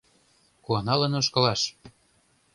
Куаналын ошкылаш.